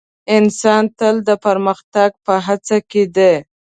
انسان تل د پرمختګ په هڅه کې دی.